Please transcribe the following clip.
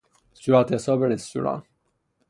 صورتحساب رستوران